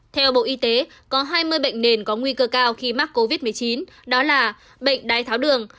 theo bộ y tế có hai mươi bệnh nền có nguy cơ cao khi mắc covid một mươi chín đó là bệnh đái tháo đường